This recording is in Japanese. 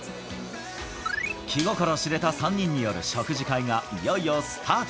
気心知れた３人による食事会がいよいよスタート。